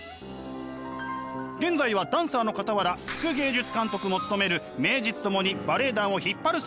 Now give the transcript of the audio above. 現在はダンサーのかたわら副芸術監督も務める名実ともにバレエ団を引っ張る存在。